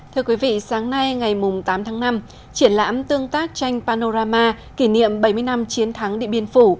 thưa quý vị sáng nay ngày tám tháng năm triển lãm tương tác tranh panorama kỷ niệm bảy mươi năm chiến thắng địa biên phủ